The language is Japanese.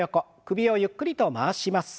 首をゆっくりと回します。